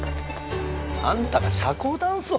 あんたが社交ダンスを？